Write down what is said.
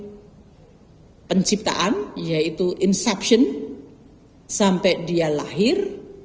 ada penciptaan yaitu inception sampai dia lahir